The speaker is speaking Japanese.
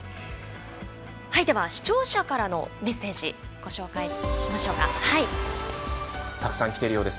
視聴者からのメッセージご紹介しましょう。